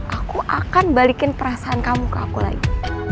aku akan balikin perasaan kamu ke aku lagi